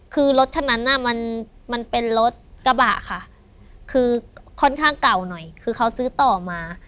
คือรถคันนั้นน่ะมันมันเป็นรถกระบะค่ะคือค่อนข้างเก่าหน่อยคือเขาซื้อต่อมา